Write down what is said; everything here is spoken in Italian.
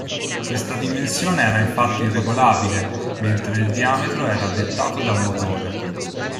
Questa dimensione era infatti regolabile, mentre il diametro era dettato dal motore.